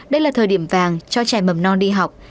đây là thời điểm vàng cho trẻ mầm non đi học